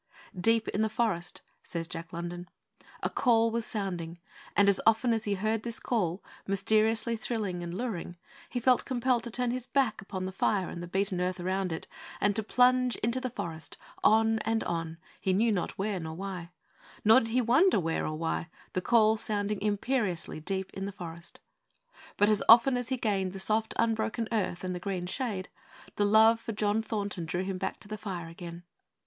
'Deep in the forest,' says Jack London, 'a call was sounding, and as often as he heard this call, mysteriously thrilling and luring, he felt compelled to turn his back upon the fire and the beaten earth around it, and to plunge into the forest, and on and on, he knew not where or why; nor did he wonder where or why, the call sounding imperiously, deep in the forest. But as often as he gained the soft unbroken earth and the green shade, the love for John Thornton drew him back to the fire again.'